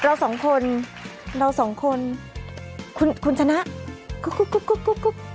เราสองคนเราสองคนคุณคุณชนะกุ๊กกุ๊กกุ๊กกุ๊กกุ๊ก